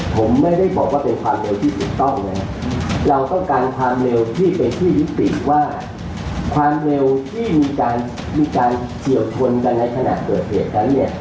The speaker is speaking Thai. ผมไม่ได้บอกว่าเป็นความเร็วที่ถูกต้องนะครับเราต้องการความเร็วที่เป็นที่ยุติว่าความเร็วที่มีการเฉียวชนกันในขณะเกิดเหตุนั้นเนี่ย